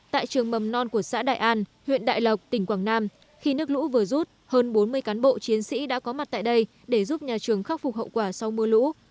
tại trường mầm non của xã đại an huyện đại lộc tỉnh quảng nam khi nước lũ vừa rút hơn bốn mươi cán bộ chiến sĩ đã có mặt tại đây để giúp nhà trường khắc phục hậu quả sau mưa lũ